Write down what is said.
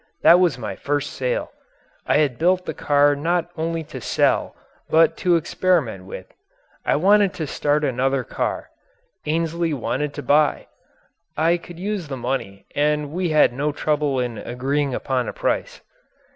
That was my first sale. I had built the car not to sell but only to experiment with. I wanted to start another car. Ainsley wanted to buy. I could use the money and we had no trouble in agreeing upon a price.